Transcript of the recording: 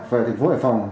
về thành phố hải phòng